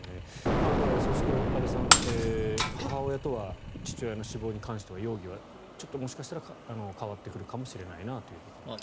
だから、そうすると安部さん、母親とは父親の死亡に関しては容疑はもしかしたら変わってくるかもしれないなというところです。